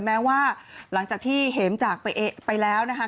แม้ว่าหลังจากที่เฮมจากไปเองไปแล้วนะครับ